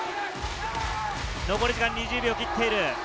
残り時間は２０秒を切っている。